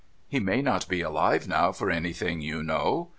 He may not be alive now, for anything you know.